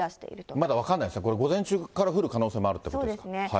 まだ分からないですね、これ、午前中から降る可能性もあるといそうですね。